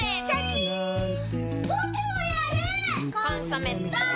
「コンソメ」ポン！